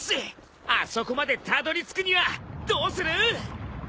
あそこまでたどりつくにはどうする？